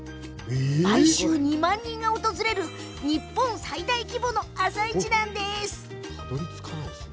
毎週２万人が訪れる日本最大規模の朝市なんです。